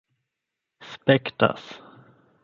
spektas